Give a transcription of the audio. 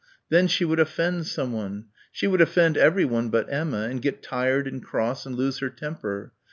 Then she would offend someone. She would offend everyone but Emma and get tired and cross and lose her temper.